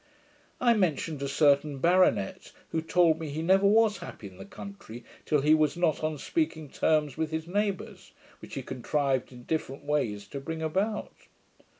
I mentioned a certain baronet, who told me, he never was happy in the country, till he was not on speaking terms with his neighbours, which he contrived in different ways to bring about.